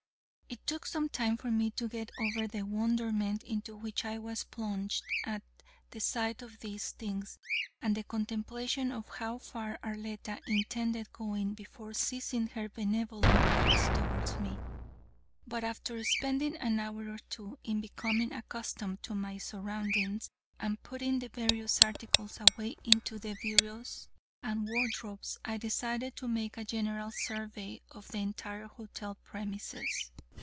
It took some time for me to get over the wonderment into which I was plunged at the sight of these things, and the contemplation of how far Arletta intended going before ceasing her benevolent acts towards me, but after spending an hour or two in becoming accustomed to my surroundings and putting the various articles away into the bureaus and wardrobes, I decided to make a general survey of the entire hotel premises.